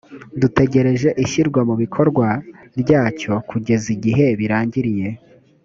dutegereje ishyirwa mu bikorwa ryacyo kugeza igihe birangiriye